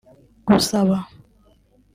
Gusaba